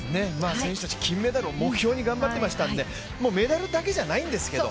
選手たち金メダルを目標に頑張っていましたのでメダルだけじゃないんですけど。